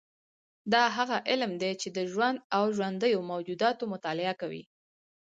دا هغه علم دی چې د ژوند او ژوندیو موجوداتو مطالعه کوي